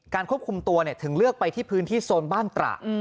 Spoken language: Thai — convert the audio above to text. ควบคุมตัวถึงเลือกไปที่พื้นที่โซนบ้านตระ